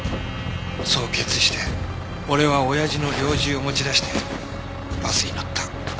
そう決意して俺は親父の猟銃を持ち出してバスに乗った。